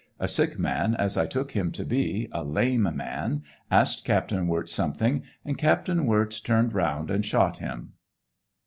A sick man, as I took him to be — a lame man — asked Captain Wirz something, and Captain Wirz turnd round and shot him.